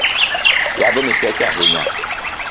Yadhni kech ahinya